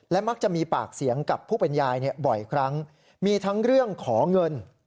มักจะมีปากเสียงกับผู้เป็นยายบ่อยครั้งมีทั้งเรื่องขอเงิน